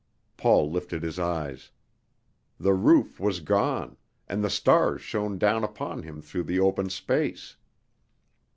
Paul lifted his eyes. The roof was gone, and the stars shone down upon him through the open space.